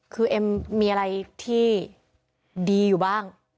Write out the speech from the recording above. คือเอ็มมีอะไรที่ดีอยู่บ้าง